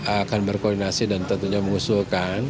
akan berkoordinasi dan tentunya mengusulkan